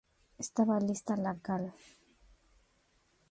Estaba lista la cal.